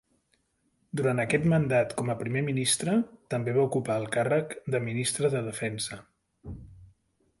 Durant aquest mandat com a primer ministre, també va ocupar el càrrec de ministre de Defensa.